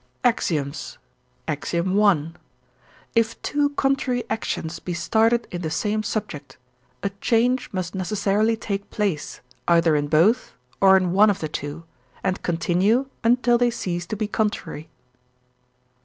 AXIOMS. I. If two contrary actions be started in the same subject, a change must necessarily take place, either in both, or in one of the two, and continue until they cease to be contrary.